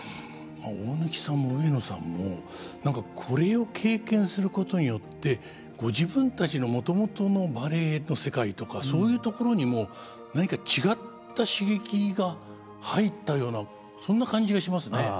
大貫さんも上野さんも何かこれを経験することによってご自分たちのもともとのバレエの世界とかそういうところにも何か違った刺激が入ったようなそんな感じがしますね。